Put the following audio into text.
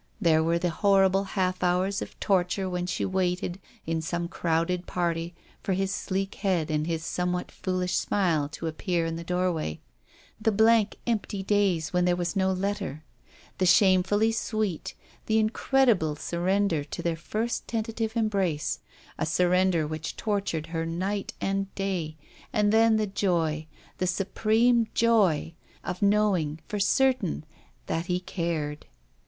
There were the horrible half hours of torture when she waited, in some crowded party, for his sleek head and somewhat fool ish smile to appear in the doorway ; the blank, empty days when there was no letter; the shamefully sweet, the incredible surrender to the first tentative embrace, a surrender which tortured her night and day, and then the joy, the supreme joy of knowing, for certain, that he cared.